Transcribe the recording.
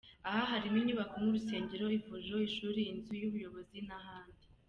Aha harimo inyubako nk’urusengero, ivuriro, ishuri, inzu y’ubuyobozi n’ahandi.